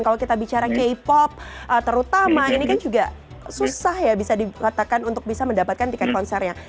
kalau kita bicara k pop terutama ini kan juga susah ya bisa dikatakan untuk bisa mendapatkan tiket konsernya